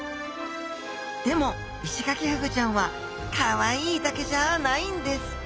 でもイシガキフグちゃんはかわいいだけじゃないんです！